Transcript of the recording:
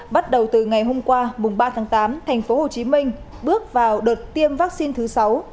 bắt đầu từ ngày hôm qua mùng ba tháng tám tp hcm bước vào đợt tiêm vaccine thứ sáu